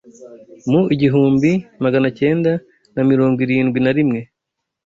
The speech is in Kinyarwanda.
Mu igihumbi magacyenda na mirongwirindwi na rimwe